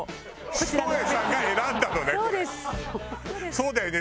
そうだよね。